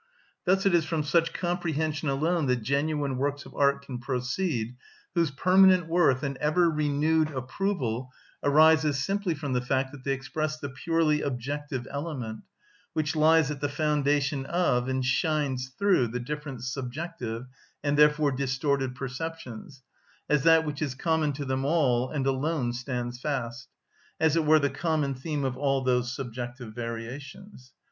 Thus it is from such comprehension alone that genuine works of art can proceed whose permanent worth and ever renewed approval arises simply from the fact that they express the purely objective element, which lies at the foundation of and shines through the different subjective, and therefore distorted, perceptions, as that which is common to them all and alone stands fast; as it were the common theme of all those subjective variations.